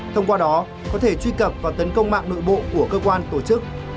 thông qua đó có thể truy cập và tấn công mạng nội bộ của cơ quan tổ chức